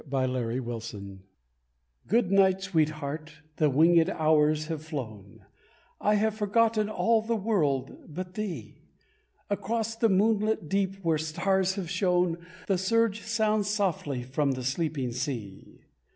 Good Night, Sweetheart Good night, Sweetheart; the wingèd hours have flown; I have forgotten all the world but thee. Across the moon lit deep, where stars have shone, The surge sounds softly from the sleeping sea.